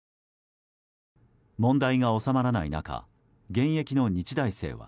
問題が収まらない中現役の日大生は。